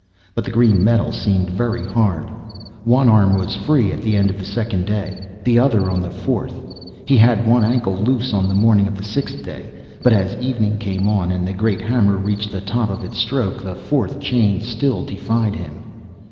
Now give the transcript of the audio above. But the green metal seemed very hard. One arm was free at the end of the second day, the other on the fourth. He had one ankle loose on the morning of the sixth day. But as evening came on, and the great hammer reached the top of its stroke, the fourth chain still defied him.